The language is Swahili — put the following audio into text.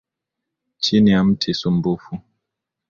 Chini ya mti msumbufu.